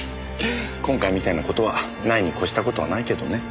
今回みたいな事はないに越した事はないけどね。